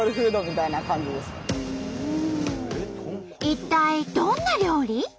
一体どんな料理？